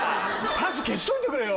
パス消しといてくれよ。